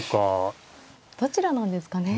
どちらなんですかね。